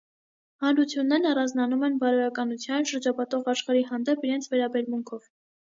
Հանրություններն առանձնանում են «բարոյականության», շրջապատող աշխարհի հանդեպ իրենց վերաբերմունքով։